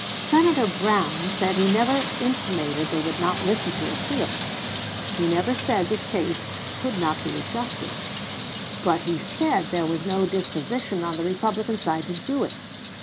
Senator Brown said he never intimated they would not listen to appeals; he never said this case could not be adjusted; but he said there was no disposition on the Republican side to do it.